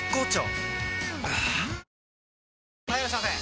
はぁ・はいいらっしゃいませ！